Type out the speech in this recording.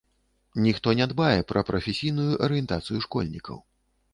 Ніхто не дбае пра прафесійную арыентацыю школьнікаў.